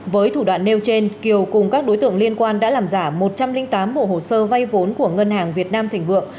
với thủ đoạn nêu trên kiều cùng các đối tượng liên quan đã làm giả một trăm linh tám bộ hồ sơ vay vốn của ngân hàng việt nam thịnh vượng